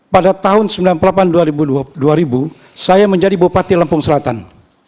pada tahun seribu sembilan ratus sembilan puluh delapan dua ribu saya menjadi bupati lampung selatan